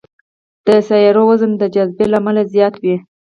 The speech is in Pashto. د سیارو وزن د جاذبې له امله زیات وي.